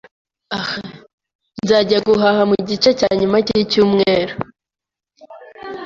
Nzajya guhaha mugice cyanyuma cyicyumweru.